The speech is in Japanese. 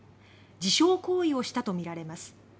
自傷行為をしたとみられます。